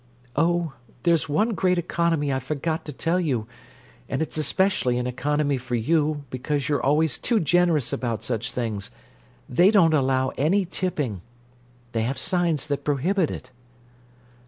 "Oh! There's one great economy I forgot to tell you, and it's especially an economy for you, because you're always too generous about such things: they don't allow any tipping. They have signs that prohibit it."